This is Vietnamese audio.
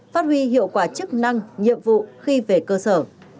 phát huy hiệu quả chức năng nhiệm vụ khi về cơ sở